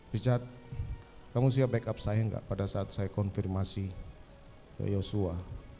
richard kamu siap backup saya enggak pada saat saya konfirmasi ke yosua